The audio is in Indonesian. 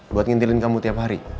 buat ngintilin kamu tiap hari